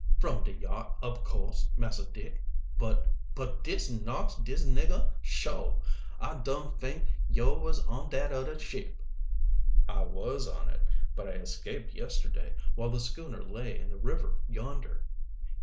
"From de yacht, ob course, Massah Dick. But but dis knocks dis niggah, suah! I dun fink yo' was on dat udder ship." "I was on it, but I escaped yesterday, while the schooner lay in the river yonder."